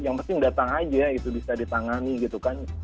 yang penting datang aja itu bisa ditangani gitu kan